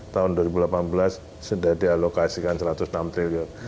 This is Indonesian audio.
tahun dua ribu delapan belas sudah dialokasikan rp satu ratus enam triliun